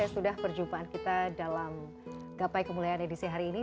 sudah perjumpaan kita dalam gapai kemuliaan edisi hari ini